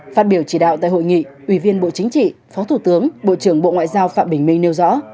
phát biểu chỉ đạo tại hội nghị ủy viên bộ chính trị phó thủ tướng bộ trưởng bộ ngoại giao phạm bình minh nêu rõ